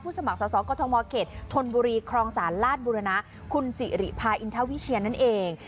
สมัครสอบกฎธมเขตธนบุรีครองศาลราชบุรณะคุณสิริพาอินทวิเชียนนั่นเอง